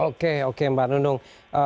oke oke mbak nunung